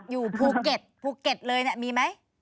อยู่ภูเก็ตภูเก็ตเลยเนี่ยมีไหม